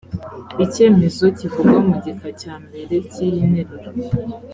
icyemezo kivugwa mu gika cya mbere cy’iyi nteruro